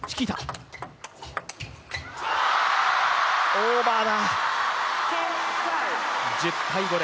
オーバーだ。